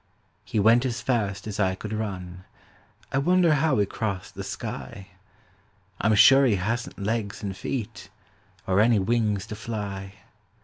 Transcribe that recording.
He went as fast as I could run; I wonder how he crossed the sky? I'm sure he hasn't legs and feet Or any wings to fly.